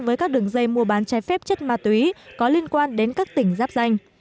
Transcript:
với các đường dây mua bán trái phép chất ma túy có liên quan đến các tỉnh giáp danh